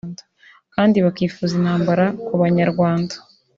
kandi bakifuza intambara kubanyarwanda